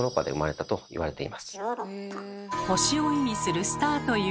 星を意味する「スター」という言葉。